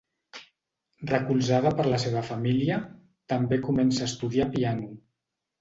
Recolzada per la seva família, també comença a estudiar piano.